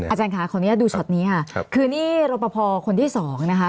อาจารย์ค่ะคนนี้ดูช็อตนี้คือนี่รบประพอคนที่๒นะคะ